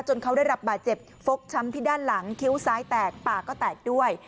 เขาได้รับบาดเจ็บฟกช้ำที่ด้านหลังคิ้วซ้ายแตกปากก็แตกด้วย